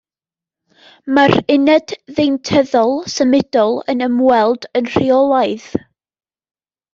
Mae'r uned ddeintyddol symudol yn ymweld yn rheolaidd